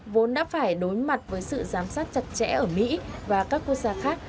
vốn đã phải đối mặt với sự giám sát chặt chẽ ở mỹ và các quốc gia khác